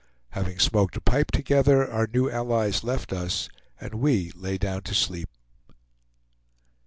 Having smoked a pipe together, our new allies left us, and we lay down to sleep.